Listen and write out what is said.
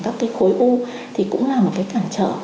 các cái khối u thì cũng là một cái cản trở